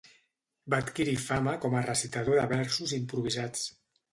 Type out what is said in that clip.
Va adquirir fama com a recitador de versos improvisats.